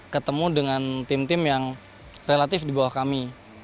ketemu dengan tim tim yang relatif di bawah kami